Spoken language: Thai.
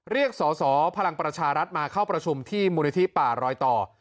เรียกสอสอพลังประชารัฐมาเข้าประชุมที่มูลนิธิป่ารอยต่อ